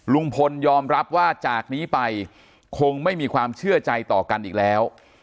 ลุงพลยอมรับว่าจากนี้ไปคงไม่มีความเชื่อใจต่อกันอีกแล้ว